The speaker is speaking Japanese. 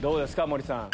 森さん。